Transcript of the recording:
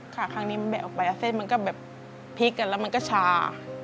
ครั้งนี้มันแบะออกไปเส้นมันก็แบบพลิกกันแล้วมันก็ชา